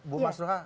bu mas itu apa